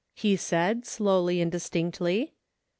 ' he said, slowly and distinctly.